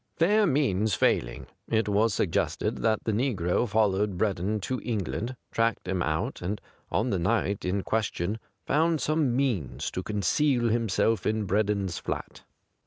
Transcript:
Fair means failing, it was suggested that the negro followed Breddon to England, tracked him out, and on the night in question found some means to conceal himself in Bred don's flat.